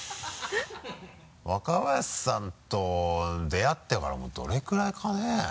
若林さんと出会ってからもうどれくらいかね？